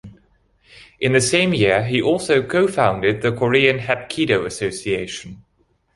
In the same year he also co-founded the Korean Hapkido Association.